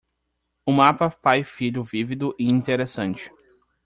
um mapa pai-filho vívido e interessante